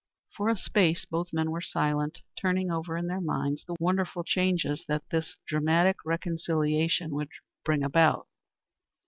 For a space both men were silent, turning over in their minds the wonderful changes that this dramatic reconciliation would bring about.